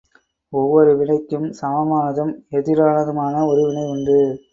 ஒவ்வொரு வினைக்கும் சமமானதும் எதிரானதுமான ஒரு வினை உண்டு.